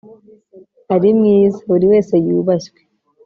ari mwiza, buri wese yubashywe